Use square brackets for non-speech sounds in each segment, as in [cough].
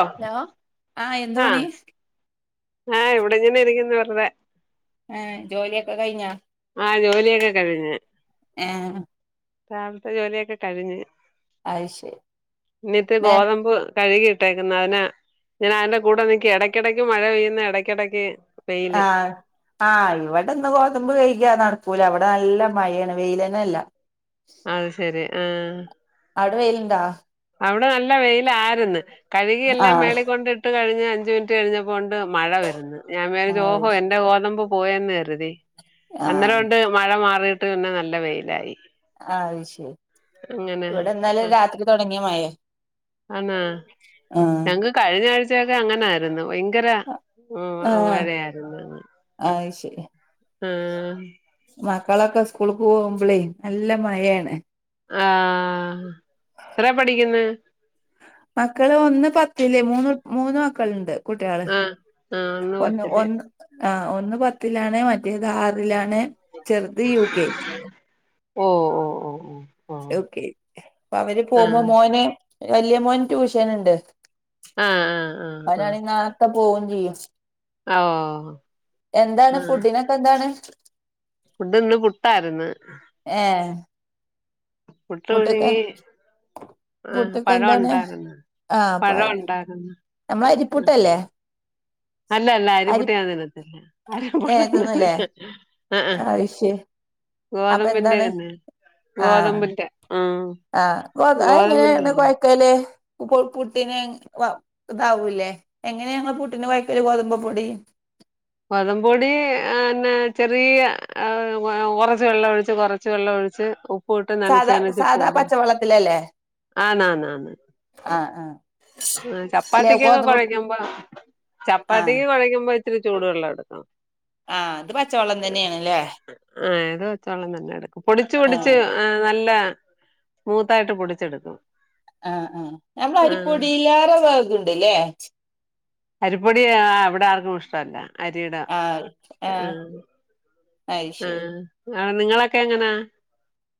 ഓഹ് hello എന്ത് പണി ആഹ് ഞാൻ ഇവിടെങ്ങനെ ഇരിക്കുന്നു വെറുതെ ഏഹ് ജോലിയൊക്കെ കഴിഞ്ഞോ ആ ജോലിയൊക്കെ കഴിഞ് ഏഹ് രാവിലത്തെ ജോലിയൊക്കെ കഴിഞ്ഞ് അത് ശരി ഇനിയത്തെ നേ ഗോതമ്പ്- കഴുകിയിട്ടേക്കുന്ന് അതിന് ഞാൻ അതിന്റെ കൂടെ നിക്കാ എടക്കിടക്ക് മഴ പെയ്യുന്ന് എടക്കിടക്ക്- ആഹ് ആഹ് ഇവിടെന്ന് ഗോതമ്പ് കഴിക്കാന്ന് നടക്കൂല ഇവിടെ നല്ല മയയാണ് വെയില്തന്നെ ഇല്ല അത് ശരി ആഹ് അവിടെ വെയിലുണ്ടോ അവിടെ നല്ല വെയിലാരുന്ന് കഴുകിയെല്ലാം ആഹ് മേളികൊണ്ട് ഇട്ട് ട്ട് കഴിഞ് അഞ്ച് മിനിറ്റ് കഴിഞ്ഞപ്പോയുണ്ട് മഴ വരുന്നു ഞാൻ വിചാരിച്ചു ആഹ് ഓഹോ- എന്റെ ഗോതമ്പും- പോയെന്ന് കരുതി ആഹ് അന്നേരയൊണ്ട് മഴ മാറീയിട്ട് പിന്നെ നല്ല വെയിലായി അത് ശരി അങ്ങനെ ഇവിടെ ഇന്നലെ രാത്രി തൊടങ്ങിയ മഴയാ ആനോ ആഹ് ഞങ്ങക്ക് കഴിഞ്ഞ ആഴ്ചൊക്കെ അങ്ങനായിരു - ന്ന് ഭയങ്കര ഉം ആഹ് മഴയാരുന്നു അത് ശരി ആഹ് മക്കളൊക്കെ സ്കൂൾക്ക് പോവുപ്ലാലെ നല്ല മയയാണ് ആഹ് എത്ര പഠിക്ക്ന്ന് മക്കള് ഒന്ന് പത്തില് മൂന്ന് മൂന്ന് മക്കളുണ്ട് കുട്ടികള് ആഹ് ആഹ് ഒന്ന് പത്തില് ഒന്ന് ആ ഒന്ന് പത്തിലാണ് മറ്റേത് ആറിലാണ് ചെറ്ത് യു കെ ജി ഓഹ് ഓഹ് ഓ ഹ് ഓഹ് യൂ കെ ജി അവര് പോമ്പോ മോന് വല്ല്യ മോന് ട്യൂഷൻ ഒണ്ട് ആഹ് ആഹ് ആഹ് അവനാണേ നേരത്തെ പോകും ചെയ്യും ആഹ് ഓഹ് എന്താണ് ആഹ് ഫുഡിനൊക്കെ എന്താണ് ഫുഡ് ഇന്ന് പുട്ടായിര്ന്ന് ഏഹ് പുട്ടോഴി ആഹ് പുട്ടൊക്കെ പഴം എന്താണ് ഉണ്ടാരുന്നു പഴം ഉണ്ടാരുന്നു നമ്മളെരിപ്പുട്ടല്ലേ അല്ലല്ല അരിപുട്ട് ഞാൻ തിന്നത്തില്ല ഏ തിന്നൂല്ലേ ആഹ് ആഹ് അത് ശരി അപ്പൊ ഗോതമ്പിന്റെ എന്താണ് തന്നെ ഗോതമ്പിൻന്റെ ഉം ആഹ് ആഹ് എങ്ങനെയാണ് കൊഴക്കല് പുട്ടിന് വാ ഇതാവൂല്ലേ എങ്ങനെയാണ് പൂട്ടിന് കൊയക്കല് ഗോതമ്പ പ്പൊടി ഗോതമ്പ്പൊടി അഹ് ന്നെ ചെറിയ കുറച്ച് വെള്ള ഒഴിച്ച് കുറച്ച് വെള്ളം ഒഴിച്ച് പുട്ട് നനച്ച് സാധാ നനച്ച് സാധാ പൊടി പച്ചവെള്ളത്തിലല്ലേ ആന്നാന്ന് ആ ആ ആ അല്ലെ ചപ്പാത്തിക്കൊക്കെ ഗോതമ്പ് കുഴക്കുമ്പോ ആ ചപ്പാത്തിക്ക് കുഴക്കുമ്പോ ഇത്തിരി ചൂടു വെള്ളം എടുക്കണം ആ അത് പച്ചവെള്ളം തന്നെയാണ്ല്ലേ ആഹ് ഏത് വെച്ചോളം നന്നെ എടുക്കും പൊടിച്ച് ആ പൊടിച്ച് ആഹ് നല്ല സ്മൂത്ത് ആയിട്ട് പൊടിച്ചെടുക്കും ആഹ് ആഹ് നമ്മള ആഹ് അരിപ്പൊടിലേറെ ഇതുണ്ട് ലെ അരിപ്പൊടി ഇവിടെ ആർക്കും ഇഷ്ടല്ല അരിട ആ ആ ഏഹ് അത് ശരി ആഹ് അഹ് നിങ്ങളൊക്കെ എങ്ങനാ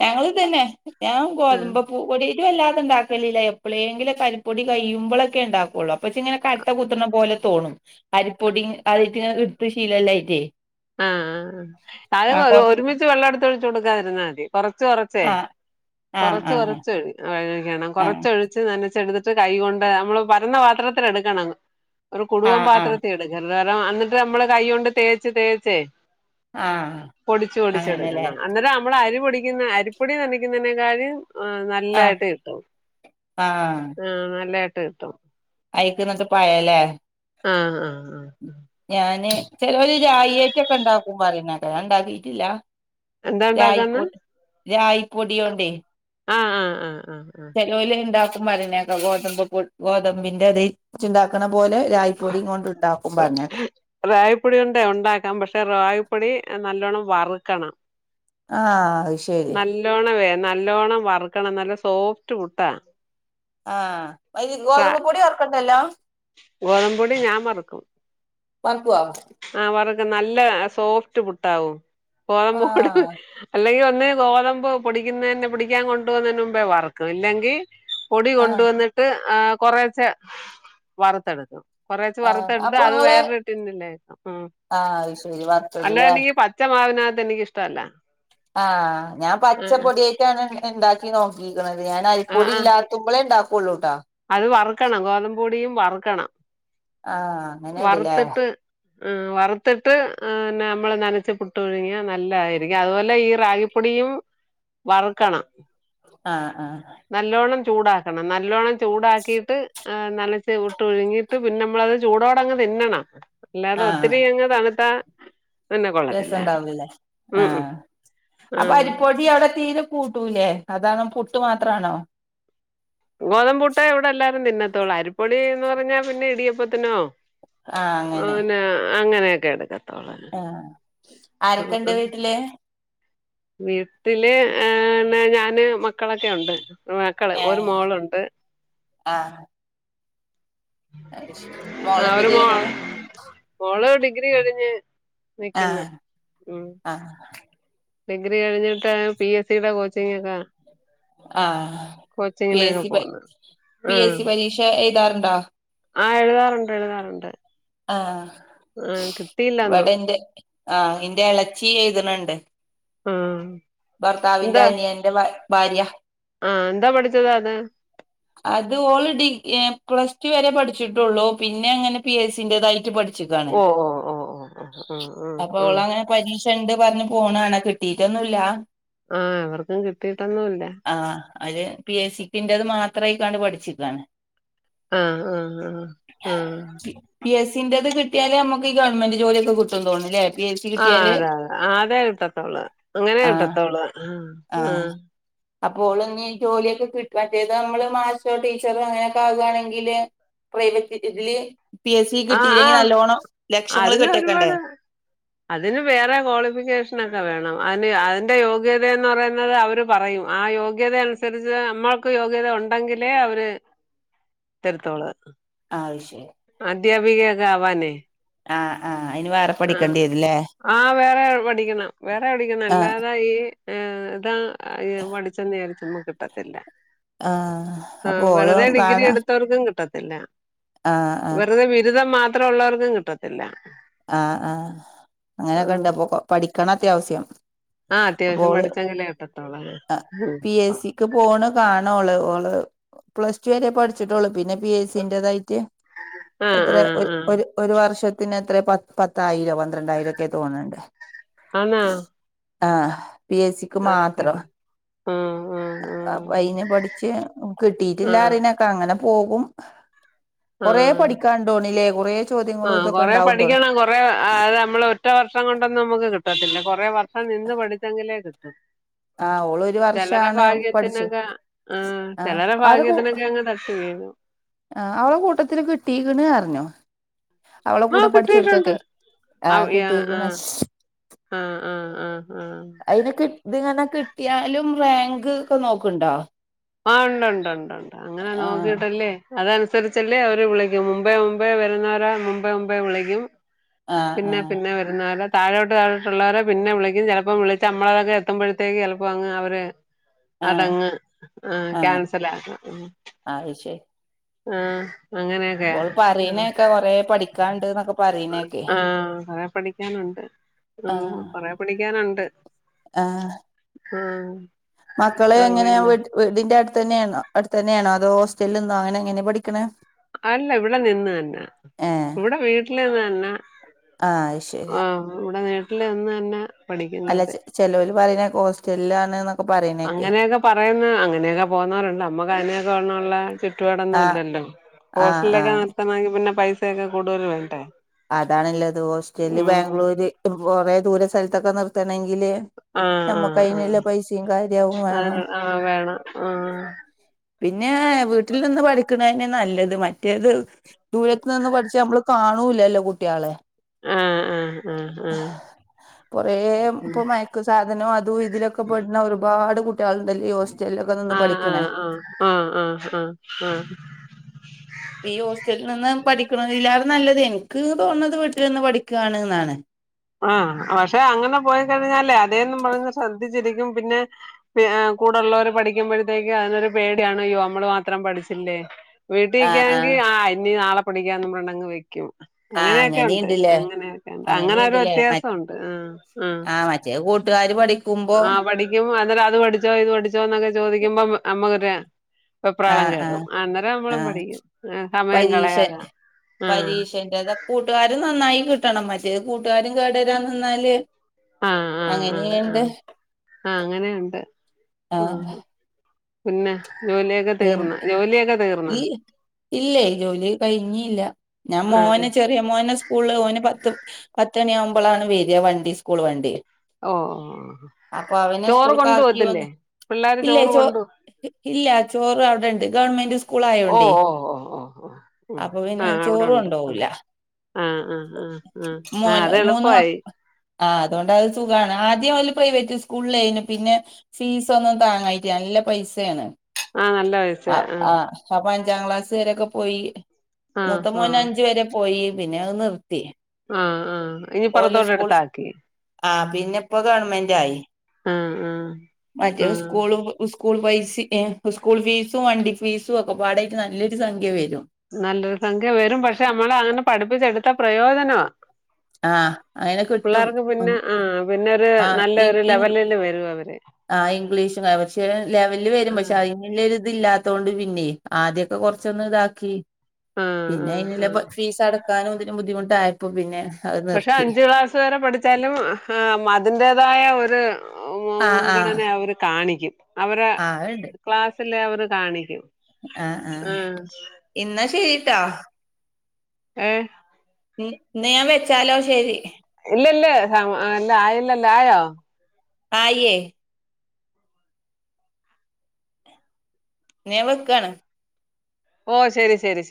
ഞങ്ങള് ഇത് തന്നെ ഞാൻ ആഹ് ഗോതമ്പ് പൂ പൊടി [unintelligible] അല്ലാതെ ഇണ്ടാക്കലില്ല എപ്പോളെങ്കിലും അരിപ്പൊടി കഴിയുമ്പോളൊക്കെ ഉണ്ടാക്കുള്ളൂ പക്ഷെ ഇങ്ങനെ കട്ട കുത്തണ പോലെ തോന്നും അരിപ്പൊടി അതിട്ട് ഇട്ട് ശീലല്ലായിട്ടേ ആഹ് ആ അത് കൊറച്ച് ഒരുമിച്ച് വെള്ളം എടുത്ത് ഒഴിച്ച് കൊടുക്കാതിരുന്നാ മതി കൊറച്ച് കൊറച്ച് ആഹ് കൊറച്ച് കൊറച്ച് ഒഴിക്കണം ആ കൊറച്ചഴി നനച്ചെടുത്തിട്ട് കൈ കൊണ്ട് നമ്മള് പരന്ന പാത്രത്തിൽ എടുക്കണം ഒരു ആ കുടുവം ആ പാത്രത്തിൽ എടു ല്ലേരം എന്നിട്ട് നമ്മള് കൈ കൊണ്ട് തേച്ച് തേച്ചേ ആ പൊടിച്ചു അങ്ങനെല്ലേ പൊടിച്ചെടുക്കണം അന്നേരം അ നമ്മ അരി പൊടിക്കുന്ന അരിപ്പൊടി നക്കുന്നതിനെക്കായും ഏഹ് നൽ ആ നല്ലായിട്ട് കിട്ടും ആ ആഹ് നല്ലായിട്ട് കിട്ടും ആയക്കുന്നത്ത് പഴലേ ആഹ് ആഹ് ആഹ് ഞാന് ചെലോര് ഒരു റാഗിറ്റൊക്കെ ഉണ്ടാക്കും പറയണക്ക ഞാൻ ഉണ്ടാക്കിട്ടില്ല എന്താ ഉണ്ടാക്കുന്നെ രായ്പ രായി പൊടിയോണ്ട് ആഹ് ആഹ് ആഹ് ആഹ് ജോലി ഉണ്ടാക്കും പറിനെക്കാ ഗോതമ്പ് പൊ ഗോതമ്പിന്റെ അത് വെച്ചിണ്ടാ ക്ക് ണ പോലെ രാഗിപ്പൊടി കൊണ്ട് ഉണ്ടാക്കും പറഞ്ഞേക്ക റാഗിപ്പൊടി ഉണ്ടാക്കാം പക്ഷെ റാഗിപ്പൊടി നല്ലോണ്ണം വറുക്കണം ആഹ് അഹ് ശരി നല്ലോണം വേ നല്ലോണം വറക്കണം നല്ല സോഫ്റ്റ് പുട്ടാ ആഹ് അയ്ൻ ഗോതമ്പ് പ്പൊടി വർക്കണ്ടല്ലോ ഗോതമ്പൊടി ഞാൻ വറക്കുവോ ആഹ് വർക്കും നല്ല സോഫ്റ്റ് പുട്ടാവും ഗോതമ്പ് പൊടി ആഹ് അല്ലെങ്കിൽ ഒന്ന് ഗോതമ്പ് പൊടിക്കുന്ന തന്നെ പൊടിക്കാൻ കൊണ്ടു പോകുന്നതിന് മുമ്പേ വറക്കും അല്ലെങ്കിൽ പൊടി ആഹ് കൊണ്ടുവന്നിട്ട് കുറെച്ചെ വറുത്തെടുക്കും കുറേച്ചെ വറു ആഹ് അപ്പൊ അത് ഇങ്ങള് വേറൊരു ടിന്നില്ലേ അഹ് ആഹ് അത് ശരി അല്ല വറുത്തതല്ലേ പി പച്ച മാവിനകത്ത് എനിക്ക് ഇഷ്ടല്ല ആഹ് ഞാൻ ആ പച്ചപ്പൊടിയായിട്ടാണ് ഇണ്ടാക്കി നോക്ക ക്കികണത് ഞാന് ആ അരിപൊടി ആ ഇല്ലാത്തുമ്പളേ ഉണ്ടാക്കോള്ളൂ ട്ടാ അത് വറുക്കണം ഗോതമ്പപൊടിയും വറുക്കണം ആഹ് അങ്ങനെണ്ട്ല്ലേ വറുത്തിട്ട് ആഹ് വറുത്തിട്ട് നമ്മള് നനച്ചു പുട്ടൊഴുങ്ങിയ നല്ലതായിരിക്കും അതുപോലെ ഈ റാഗി പൊടിയും വറുക്കണം ആഹ് ആഹ് നല്ലോണ്ണം ചൂടാക്കണം. നല്ലോണ്ണം ചൂടാക്കീട്ട് ആഹ് നനച്ച് പുട്ട്പുഴുങ്ങിട്ട് പിന്നെ മ്മളത് ചൂടോടങ്ങ് തിന്നണം. ല്ലാതെ ആഹ് ഒത്തിരിയങ്ങ് തണുത്താ പിന്നെ കൊള്ളത്തില്ല രസം ണ്ടാവൂലല്ലേ. ഉം ഉം ആഹ് അപ്പ ആഹ് അരിപ്പൊടി അവ്ടെ തീരെ കൂട്ടൂല്ലേ. അതാണം പുട്ട് മാത്രണോ? ഗോതമ്പൂട്ടേ ഇവ്ടെല്ലാരും തിന്നത്തോള്ളൂ. അരിപ്പൊടി എന്ന് പറഞ്ഞാ പിന്നെ ഇടിയപ്പത്തിനോ ആഹ് അങ്ങനെ ഓഹ് ന്നാ അങ്ങനെയൊക്കെ എട്ക്കത്തോള്ള് ആഹ് ആഹാ ആരൊക്കെണ്ട് വീട്ടില് വീട്ട്ല് ഏഹ് ന്ന ഞാന് മക്കളൊക്കെ ഒണ്ട്. മക്കള് ഒര് ഏഹ് മോളൊണ്ട് ആഹ് അ [unintelligible] ആ മോളെന്ത് ഒരു ചെയ്യ്ന്നേ? മോൾ മോള് ഡിഗ്രി കഴിഞ്ഞ് നിക്ക്ന്ന്. ആഹ് മ് ആഹ് ഡിഗ്രി കഴിഞ്ഞിട്ട് പി എസ് സിടെ കോച്ചിംങ്ങൊക്കെ ആഹ്. പി എസ് സി പ പോന്നു പി എസ് ആഹ് സി പരീക്ഷ എഴ്താറുണ്ടാ? ആഹ്. എഴുതാറുണ്ട്. എഴുതാറുണ്ട്. ആഹ്. ആഹ് കിട്ടിയില്ലൊന്നും വടെന്റെ ആഹ് ഇന്റെ എളച്ചീ എഴ്‌ത്‌ണ് ണ്ട്. മ് ഭർത്താവ്ന്റെ അനിയന്റെ ഭാ ഭാര്യ. ആഹ്. ന്താ പഠിച്ചത് അത്? അത് ഓള് ഡിഗ് ഏഹ് പ്ലസ്ടു വരെ പഠിച്ചിട്ടൊള്ളു. പിന്നെ ങ്ങനെ പി എസ് സി ൻ്റെതായിട്ട് പഠി- ച്ചിക്കാണ്. ഓഹ് ഓഹ് ഓഹ് ഓഹ് ഓഹ് ആഹ് അപ്പ ആഹ് ഓളങ്ങനെ പരീക്ഷണ്ട് പർഞ്ഞ് പോണാണ. കിട്ടീട്ടൊന്നൂല്ലാ. ആഹ്. അവർക്കും കിട്ടിട്ടൊന്നൂല്ല. ആഹ്. അത് പി എസ് സി പിൻ്റേത് മാത്രായിക്കാണ്ട് പഠിച്ചിക്കാണ്. ആഹ് ആഹ് ആഹ് പി പി എസ് സി ൻ്റെത് കിട്ടിയാലെ അമ്മക്ക് ഈ ഗവൺമെന്റ് ജോലി ഒക്കെ കുട്ടും തോന്ന്ണ്ലേ. ആഹ് അതെ അതെ ആതെ കിട്ടത്തോള്ള്. അങ്ങനെ ആഹ് കിട്ടത്തോള്ള് ആഹ് അപ്പൊ ഓള് നി ജോലിയൊക്കെ കിട് മറ്റേതമ്മള് മാശോ, ടീച്ചറോ അങ്ങനെയൊക്കെ ആകാണെങ്കില് പ്രൈവറ്റ് ഇതില് പി എസ് സി ആഹ് കിട്ടിയില്ലെങ്കി ആഹ് ആഹ് നല്ലോണം ലക്ഷങ്ങള് അതിന് കെട്ടിവെക്കണ്ടേ. ഒരുപാട് അതിന് വേറെ കോളിഫിക്കേഷനൊക്കെ വേണം. അന്ന് അതിന്റെ യോഗ്യതേന്ന് പറയുന്നത് അവര് പറയും. ആ യോഗ്യതേനുസരിച്ച് അമ്മൾക്ക് യോഗ്യത ഒണ്ടെങ്കിലേ അവര് [inaudible] ത്തര്ത്തോള് ആയ്ശേ അധ്യാപികയൊക്കെ ആവാനേ ആഹ് ആഹ്. അയിന് വേറെ ആഹ്. പഠിക്കേണ്ടി വരില്ലേ ആഹ് വേറെ പഠിക്കണം. വേറെ പഠിക്കണം ആഹ് അല്ലാതെ ഈ ഏഹ് താ യേ പഠിച്ചെന്നിയാരിച്ചെന്നും കിട്ടത്തില്ലാ ആഹ് ആഹ്. അപ്പൊ ഓള് വെറുതെ ഡിഗ്രി കാണാ എടുത്തേർക്കും കിട്ട- ത്തില്ലാ. ആഹ് ആഹ് വെറുതെ ബിരുദം മാത്രോള്ളോർക്കും കിട്ടത്തില്ലാ. ആഹ് ആഹ്. അങ്ങനെക്കെണ്ട്. അപ്പൊ പ പഠിക്കണം അത്യാവ്സ്യം. ആഹ്. അത്യാവശ്യം പഠിച്ചങ്കിലേ കിട്ടത്തോള്ള് മ് ക്ക് പോണ് കാണോള് ഓള് പ്ലസ് ടു വരെ പഠിച്ച്ട്ടൊള്ളൂ. പിന്നെ പി എസ് സിൻ്റെതായിറ്റ് ആഹ് എത്രേ ആഹ് ഒര് ആഹ് ഒര് ഒരു വർഷത്തിനെ ത്രേ പ പത്തായിരൊ, പന്ത്രണ്ടായിരോക്കെ തോന്ന്ണ്ട്. ആന്നാ ആഹ് പി എസ് സി ക്ക് അത് മാത്രം ശരി ആഹ് ആഹ് ആഹ് അയിന് പഠിച്ച് കിട്ടീട്ടില്ലാ ആഹ് അറിന് കങ്ങനെ പോകും കൊറേ ആഹ് പഠിക്കാണ്ടോണില്ലേ കൊറേ ചോദ്യങ്ങളും ഇതൊക്കെ ഇണ്ടാവും [unintelligible] നമ്മളൊറ്റ വർഷം കൊണ്ടൊന്നും നമുക്ക് കിട്ടത്തില്ല കൊറെ വർഷം നിന്ന് പഠിച്ചെങ്കിലേ കിട്ടു ആഹ് ഓള് ഒരു ചെലരെ വർഷാണ് പഠിച്ചു ഭാഗ്യത്തിനൊക്കെ ആഹ് ചെലര ആരെ കൂ ഭാഗ്യത്തിനൊക്കെയങ്ങ് [unintelligible] ആഹ് അവളെ കൂട്ടത്തില് കിട്ടീക്കണ് പറിഞ്ഞു അവളെ ആഹ് കൂടെ കിട്ടിയിട്ടുണ്ട് പഠിച്ചോര്കൊക്കെ ആഹ് കിട്ടീക്ക്ണ് ആഹ് ആഹ് ആഹ് ആഹ് അയിന് കി ഇതിങ്ങനെ കിട്ടിയാലും റാങ്ക്ക്കെ നോക്ക്ണ്ടോ ആഹ് ഉണ്ട് ഉണ്ട് ഉണ്ട് ഉണ്ട് അങ്ങനെ ആഹ് നോക്കീട്ടല്ലേ അതനുസരിച്ചല്ലേ അവര് വിളിക്കും മുമ്പേ മുമ്പേ വരുന്നോര മുമ്പേ മുമ്പേ വിളിക്കും ആഹ് പിന്നെ ആഹ് പിന്നെ വരുന്നാരെ താഴോട്ട് തഴോട്ടുള്ളവരെ പിന്നെ വിളിക്കും ചിലപ്പോം വിളിച്ചമ്മളതൊക്കെ എത്തുമ്പോഴത്തേക്ക് ചിലപ്പോ അങ്ങ് അവര് [inaudible] അതങ്ങ് ആഹ് ക്യാൻസലാക്കണം അത് ശരി ആഹ് ആഹ് അങ്ങനെയൊക്കെയാ ഓള് പറീന്നേക്കാ കൊറേ പഠിക്കാണ്ട്ന്നൊക്കെ പറീന്നേക്കെ ആഹ് കൊറേ പഠിക്കാനുണ്ട് ഉം ആഹ് കൊറേ പഠിക്കാനൊണ്ട് ആഹ് ആഹ് മക്കള് ആഹ് എങ്ങനെയാ പിന്നെ വീ വീടിന്റെ അടുത്തന്നെയണോ അടുത്തന്നെയാണോ അതോ ഹോസ്റ്റലിൽ നിന്നോ അങ്ങനെ എങ്ങനെ പഠിക്കണേ അല്ല ഇവിടെ നിന്ന് അന്നെ ഏഹ് ഇവിടെ വീട്ടിലിന്ന് തന്നെ ആഹ് അത് ശരി ആഹ് ഇവടെ വീട്ടില് നിന്ന് തന്നെ അല്ല പഠിക്കുന്നത് ചെ ചെലോര് പറയ്ന്ന ഹോസ്റ്റലാന്ന് അങ്ങനെയൊക്കെ പറയുന്നെ അങ്ങനെയൊക്കെ പോന്നോരണ്ട് അമ്മക്കയ്നെയൊക്കെള്ള ചുറ്റുപാടൊന്നും ആഹ് ഇല്ലല്ലോ ആഹ് ഹോസ്റ്റലിലൊക്കെ ആഹ് നിർത്തണെങ്കി പിന്നെ പൈസയൊക്കെ കൂടുതല് വേണ്ടേ അതാണ്ള്ളത് ഹോസ്റ്റല് ഉം ബാംഗ്ലൂര് ഈ കൊറെ ദൂര സ്ഥലത്തൊക്കെ നിർത്തണെങ്കില് ആഹ് ആഹ് ആഹ് നമ്മക്കയിനില്ലെ പൈസയും കാര്യ അവും വേണം അതിന് ആഹ് വേണം ആഹ് പിന്നെ വീട്ടിൽ നിന്ന് പഠിക്ക്ണന്നെ നല്ലത് മറ്റേത് ദൂരത്ത് നിന്ന് പഠിച്ചാ അമ്മള് കാണൂല്ലല്ലോ കുട്ട്യാളെ ആഹ് ആഹ് ആഹ് കൊറേ ഇപ്പൊ മയ യക്ക് സാധനോം അതും ഇതിലൊക്കെ പെടുന്ന ഒരുപാട് കുട്ടിയള്ണ്ടല്ലെയി ഹോസ്റ്റൽലൊക്കെ നിന്ന് ആഹ് ആഹ് പഠിക്കണേ ആഹ് ആഹ് ആഹ് ആഹ് ആഹ് ഈ ഹോസ്റ്റലിൽ നിന്ന് പഠിക്കണതെ നല്ലത് എനിക്ക് തോന്ന്ണത് വീട്ടിൽ നിന്ന് പഠിക്കയാണ്യെന്നാണ് ആഹ് പക്ഷേ അങ്ങനെ പോയി കഴിഞ്ഞാലേ അതേന്നും പറഞ്ഞ് ശ്രദ്ധിച്ചിരിക്കും പിന്നെ പി ഏഹ് കൂടെള്ളവര് പഠിക്കുമ്പോഴത്തേക്ക് അതിനൊരു പേടിയാണ് യ്യോ അമ്മള് മാത്രം പഠിച്ചില്ലേ [unintelligible] ആഹ് ഇനീ നാളെ പടിക്കാ [unintelligible] ക്കും ആഹ് അങ്ങനെയൊക്കെ ഉണ്ട് അങ്ങനെയുണ്ടല്ലേ അങ്ങനെയൊക്കെ ഉണ്ട് അങ്ങനൊരു അങ്ങനെയുണ്ടല്ലേ വ്യത്യാസൊണ്ട് ആഹ് ആഹ് മറ്റേ കൂട്ടുകാര് പഠിക്കുമ്പോ ആഹ് പഠി ക്കും അന്നേരം അത് പഠിച്ചോ ഇത് പഠിച്ചോന്നൊക്കെ ചോദിക്കുമ്പോ അമ്മ അമ്മക്കൊര് ആഹ് ആഹ് ആഹ് പഠിക്കും സമയം പരീഷ കളയാതെ ആഹ് പരീഷെ ഏത കൂട്ടുകാര് നന്നായി കിട്ടണം മറ്റേത് കൂട്ടുകാരും കേടരാന്നാല് ആഹ് ആഹ് ആഹ് ആഹ് ആഹ് അങ്ങനെണ്ട് ആഹ് പിന്നെ ജോലിയൊക്കെ തീർന്ന ജോലിയൊ ഇ ഇല്ലെ ജോലി കൈഞ്ഞില്ല ഞാൻ ആ മോന് ചെറിയ മോന് സ് കൂള് ഓന് പത്ത് പത്തണിയാകുമ്പോളാണ് വെര്യ വണ്ടി സ്കൂൾ വണ്ടി ഓ അപ്പൊ അവനെ ചോറ് കൊണ്ടു സ്കൂൾക്കാക്കി പോകത്തില്ലേ വന്നു പിള്ളേര് ഇല്ലേ ചോറ് ചോ കൊണ്ടു ഇല്ല ചോ റവിടെണ്ട് ഗവൺമെന്റ് സ്കൂൾ ഓ ആയോണ്ടേ ഓ ഓ ഓ ഓ ഉം. അപ്പൊ ആ പിന്ന അവിടെ ഉണ്ട് അവിടെ ചോറോണ്ടോവൂല ആ ആ ആ ആ ആഅത് മൂന്ന് മക്ക എളുപ്പായി ആ അതുകൊണ്ടത് സുഖാണ് ആദ്യം ഓല് പ്രൈവറ്റ് സ്കൂളിലേയ്നു പിന്നെ ഫീസൊന്നും താങ്ങായിട്ട നല്ല പൈസയാണ് ആ നല്ല പൈസ ആ ആ അപ്പൊ അഞ്ചാം ക്ലാസ് വരൊക്കെ പോയി ആ മൂത്ത ആ മോനഞ്ച് വരെ പോയി പിന്നെ അത് നിർത്തി. ഉം ഉം ഇനി പൊറത്തോട്ട് എടുത്താക്കി. ആഹ് പിന്നെ ഇപ്പോ ഗവൺമെന്റായി ആ ആ ആ മറ്റേത് സ്കൂളും സ്കൂൾ പൈസി ഏഹ് സ്കൂൾ ഫീസും വണ്ടി ഫീസും ഒക്കെ പാടായിട്ട് നല്ലൊരു സംഖ്യ വരും. നല്ലൊരു സംഖ്യ വരും പക്ഷെ നമ്മളങ്ങനെ പഠിപ്പിച്ചെടുത്ത പ്രയോജനവാ. ആ അങ്ങനെ കിട്ടും പിള്ളേർക്ക് ഉം. പിന്നെ ആഹ് പിന്നൊരു നല്ല ഒരു ലെവലില് വരു അവര് ആഹ് ഇംഗ്ലീഷുവാ വക്ഷേ ലെവല് ആ വരും പക്ഷെ അയ് നല്ല ഇതൊരില്ലാത്തോണ്ട് പിന്നെ ആദ്യൊക്കെ കൊറച്ചൊന്ന് ഇതാക്കി ആ പിന്നെ ആ അയ്നുള്ള ആ ബ ഫീസ് അടക്കാനും ഇതിനും ബുദ്ധിമുട്ടായപ്പോ പിന്നെ അ- പക്ഷെ അഞ്ച് ക്ലാസ് വരെ പഠി താലും ആഹ് മതിന്റേതായ ഒരു ആ ആ മുൻഗണന അവര് കാണിക്കും. അവരെ ആ ക്ലാസ്സില് അവര് കാണിക്കും. ആഹ് ആഹ് ആ ഇന്നാ ശരിട്ടാ ഏഹ് ന്നി ന്നാഞാൻ വെച്ചാലോ ശരി. ഇല്ല ഇല്ല ഹ ആയില്ലല്ല ആയോ ആയിയേ ഞാൻ വെക്കാണ്. ഓഹ് ശരി ശരി ശര്-